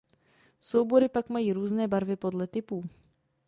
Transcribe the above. Soubory pak mají různé barvy podle typů.